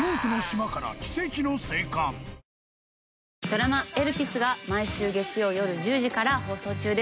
ドラマ『エルピス』が毎週月曜夜１０時から放送中です。